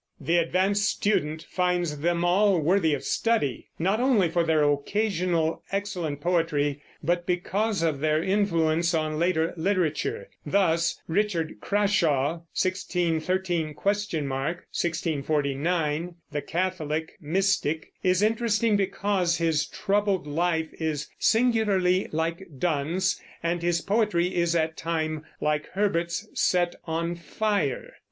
The advanced student finds them all worthy of study, not only for their occasional excellent poetry, but because of their influence on later literature. Thus Richard Crashaw (1613? 1649), the Catholic mystic, is interesting because his troubled life is singularly like Donne's, and his poetry is at times like Herbert's set on fire.